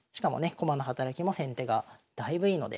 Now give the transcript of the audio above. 駒の働きも先手がだいぶいいので。